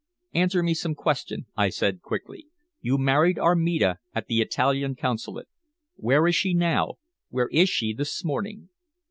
"Answer me another question," I said quickly. "You married Armida at the Italian Consulate. Where is she now where is she this morning?"